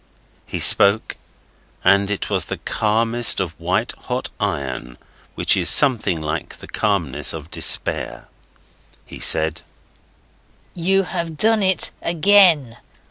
He spoke, and it was the calmness of white hot iron, which is something like the calmness of despair. He said 'You have done it again.